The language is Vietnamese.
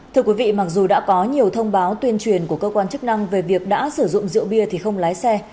thưa quý vị mặc dù đã có nhiều thông báo tuyên truyền của cơ quan chức năng về việc đã sử dụng rượu bia thì không lái xe